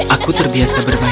aku terbiasa bermain di rumah